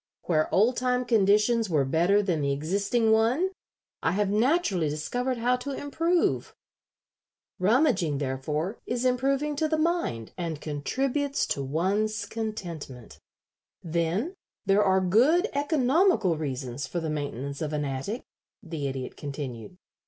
Where old time conditions were better than the existing one I have naturally discovered how to improve. Rummaging, therefore, is improving to the mind and contributes to one's contentment." [Illustration: "'A LITTLE BUNDLE OF MY OWN LETTERS'"] "Then there are good economical reasons for the maintenance of an attic," the Idiot continued.